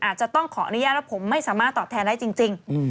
อาจจะต้องขออนุญาตว่าผมไม่สามารถตอบแทนได้จริง